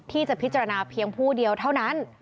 ที่จะพิจารณาเพียงผู้เดียวเท่านั้น